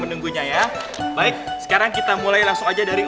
pusing banget jadi